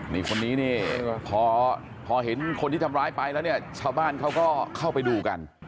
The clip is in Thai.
นี่คนนี้นี่พอเห็นคนที่ทำร้ายไปแล้วเนี่ยชาวบ้านเขาก็เข้าไปดูกัน